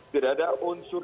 tidak ada unsur